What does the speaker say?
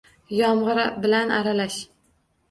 Yomg’ir bilan aralash.